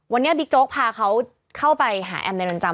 วันนี้บิ๊กโจ๊กพาเขาเข้าไปหาแอมในดนตรรม